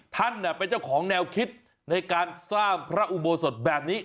ท่านเป็นเจ้าของแนวคิดในการสร้างพระอุโบสถแบบนี้